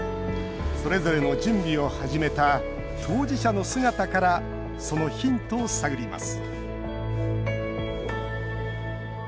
それぞれの準備を始めた当事者の姿からそのヒントを探ります